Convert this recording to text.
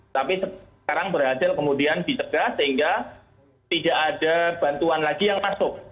tapi sekarang berhasil kemudian dicegah sehingga tidak ada bantuan lagi yang masuk